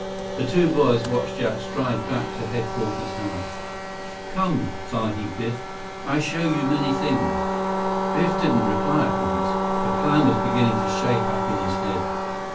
The two boys watched Jack stride back to Headquarters House. "Come, Sahib Biff, I show you many things." Biff didn't reply at once. A plan was beginning to shape up in his head.